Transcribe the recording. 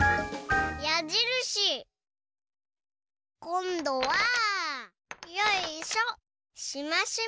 こんどはよいしょ！